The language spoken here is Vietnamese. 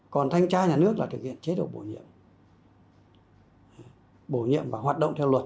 còn thanh tra nhà nước là thực hiện chế độ bổ nhiệm bổ nhiệm và hoạt động theo luật